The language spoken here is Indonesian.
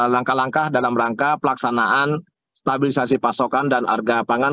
langkah langkah dalam rangka pelaksanaan stabilisasi pasokan dan harga pangan